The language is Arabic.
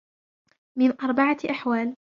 مِنْ أَرْبَعَةِ أَحْوَالٍ